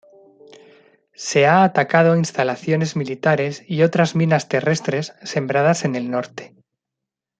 Se ha atacado instalaciones militares y otras minas terrestres sembradas en el norte.